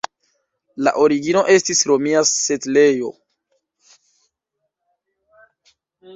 La origino estis romia setlejo.